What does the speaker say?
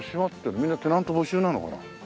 みんなテナント募集なのかな？